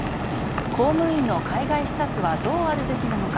公務員の海外視察はどうあるべきなのか